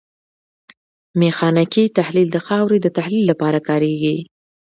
میخانیکي تحلیل د خاورې د تحلیل لپاره کاریږي